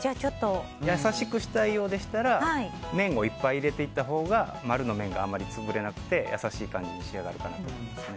優しくしたいようでしたら面をいっぱい入れたほうが丸の面があまり潰れなくてやさしい感じに仕上がるかなと思います。